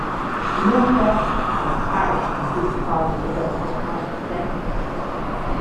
The north-west of the parish includes part of the Doxford Park estate.